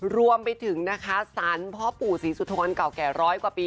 รวมไปถึงนะคะสรรพ่อปู่ศรีสุธนเก่าแก่ร้อยกว่าปี